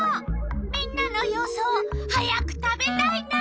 みんなの予想早く食べたいな。